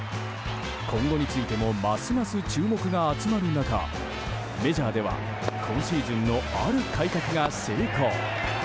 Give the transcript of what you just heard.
今後についてもますます注目が集まる中メジャーでは今シーズンのある改革が成功。